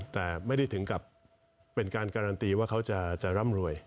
แต่ไม่ได้ถึงกับเป็นการการันตีว่าเขาจะร่ำรวย